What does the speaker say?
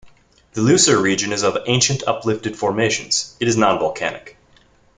The Leuser region is of ancient uplifted formations - it is non-volcanic.